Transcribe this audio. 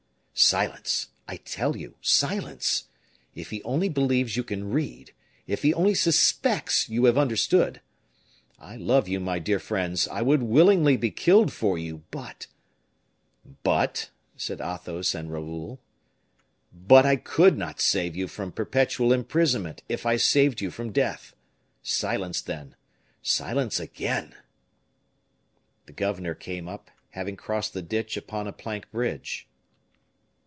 "Silence! I tell you silence! If he only believes you can read; if he only suspects you have understood; I love you, my dear friends, I would willingly be killed for you, but " "But " said Athos and Raoul. "But I could not save you from perpetual imprisonment if I saved you from death. Silence, then! Silence again!" The governor came up, having crossed the ditch upon a plank bridge.